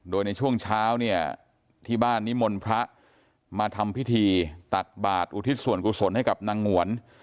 โดยในช่วงเช้าเนี่ยที่บ้านนิมนต์พระมาทำพิธีตักบาทอุทิศส่วนกุศลให้กับนางหงวน